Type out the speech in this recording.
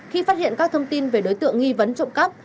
khi phát hiện các thông tin về đối tượng nghi vấn trộm cắp